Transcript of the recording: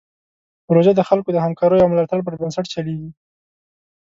پروژه د خلکو د همکاریو او ملاتړ پر بنسټ چلیږي.